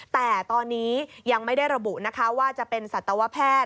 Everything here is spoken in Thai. แต่ตอนนี้ยังไม่ได้ระบุนะคะว่าจะเป็นสัตวแพทย์